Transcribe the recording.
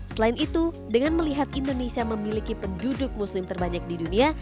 selain itu dengan melihat indonesia memiliki penduduk muslim terbanyak di dunia